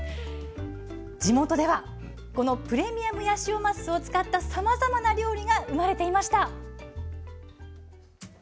地元ではこのプレミアムヤシオマスを使ったさまざまな料理が生まれていました。